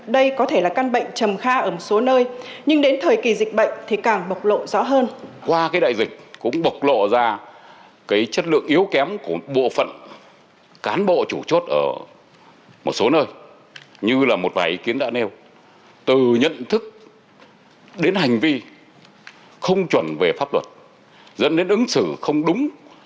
đây có thể là căn bệnh trầm kha ở một số nơi nhưng đến thời kỳ dịch bệnh thì càng bộc lộ rõ hơn